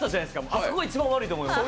あそこが一番悪いと思いました。